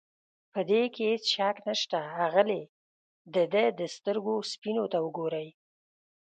په دې کې هېڅ شک نشته، اغلې د ده د سترګو سپینو ته وګورئ.